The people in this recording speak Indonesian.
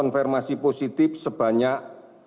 konfirmasi positif sebanyak sembilan belas